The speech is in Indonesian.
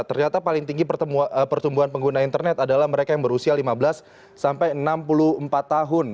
ternyata paling tinggi pertumbuhan pengguna internet adalah mereka yang berusia lima belas sampai enam puluh empat tahun